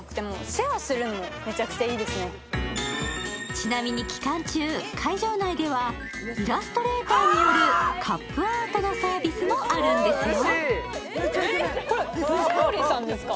ちなみに期間中、会場内ではイラストレーターによるカップアートのサービスもあるんですよ。